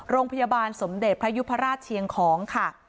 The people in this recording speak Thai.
โรงพยาบาลสมเด็จพระยุพราชเชียงของค่ะ